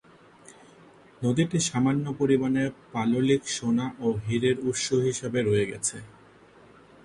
নদীটি সামান্য পরিমাণে পাললিক সোনা ও হিরের উৎস হিসেবে রয়ে গেছে।